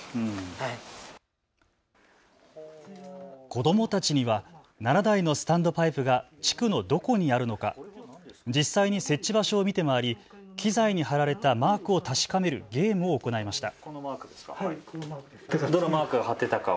子どもたちには７台のスタンドパイプが地区のどこにあるのか実際に設置場所を見て回り機材に貼られたマークを確かめるゲームを行いました。